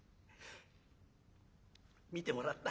診てもらった。